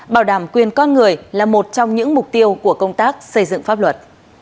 bảo đảm quyền con người là một trong những mục tiêu của công tác xây dựng pháp luật